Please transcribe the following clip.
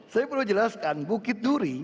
saya perlu jelaskan bukit duri